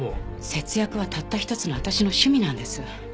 節約はたった一つの私の趣味なんです。